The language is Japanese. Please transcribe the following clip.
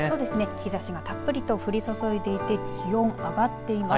日ざしがたっぷりと降り注いでいて気温が上がっています。